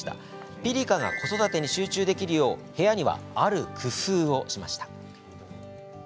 ピリカが子育てに集中できるよう部屋には、ある工夫をしました。